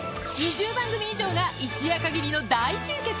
２０番組以上が一夜限りの大集結。